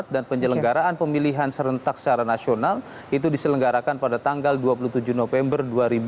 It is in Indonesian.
dan penyelenggaraan pemilihan serentak secara nasional itu diselenggarakan pada tanggal dua puluh tujuh november dua ribu dua puluh empat